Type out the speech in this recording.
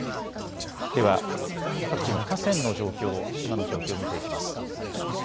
では各地の河川の状況を、今の状況を見ていきます。